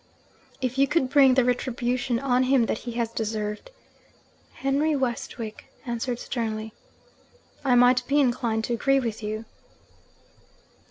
'If you could bring the retribution on him that he has deserved,' Henry Westwick answered sternly, 'I might be inclined to agree with you.'